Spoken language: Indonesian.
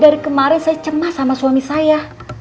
dari kemarin saya cemas sama suami saya